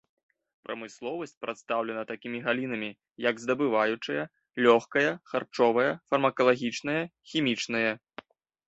Прамысловасць прадстаўлена такімі галінамі, як здабываючая, лёгкая, харчовая, фармакалагічная, хімічная.